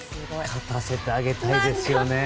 勝たせてあげたいですね。